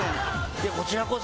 いやこちらこそ。